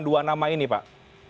dua nama ini pak